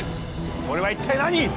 それは一体何？